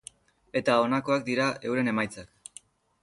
Eta honakoak dira euren emaitzak.